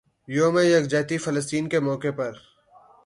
یوم یکجہتی فلسطین کے موقع پر